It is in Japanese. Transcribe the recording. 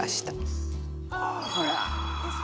「ほら」